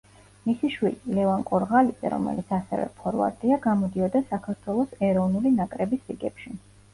მისი შვილი, ლევან კორღალიძე, რომელიც ასევე ფორვარდია, გამოდიოდა საქართველოს ეროვნული ნაკრების რიგებში.